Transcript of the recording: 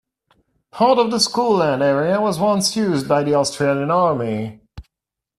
Part of the school land area was once used by the Australian Army.